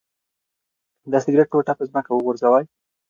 د سګرټ ټوټه په ځمکه مه غورځوئ.